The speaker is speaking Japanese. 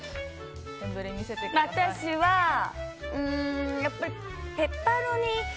私は、やっぱりペパロニ。